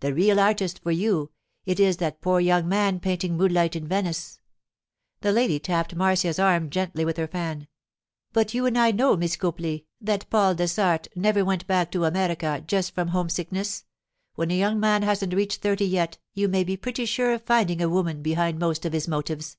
The real artist for you—it is that poor young man painting moonlight in Venice.' The lady tapped Marcia's arm gently with her fan. 'But you and I know, Miss Copley, that Paul Dessart never went back to America just from homesickness; when a young man hasn't reached thirty yet, you may be pretty sure of finding a woman behind most of his motives.